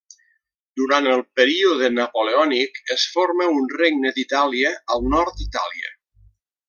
Durant el període napoleònic, es forma un Regne d'Itàlia al nord d'Itàlia.